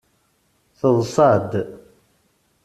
Teḍṣa-d.